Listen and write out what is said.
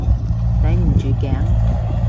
抵唔住頸？